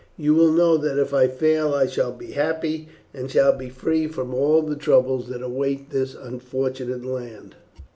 You will know that if I fall I shall be happy, and shall be free from all the troubles that await this unfortunate land."